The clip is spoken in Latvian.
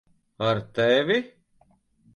Ar tevi?